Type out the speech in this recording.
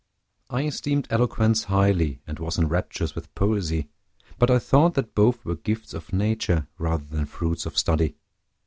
I esteemed eloquence highly, and was in raptures with poesy; but I thought that both were gifts of nature rather than fruits of study.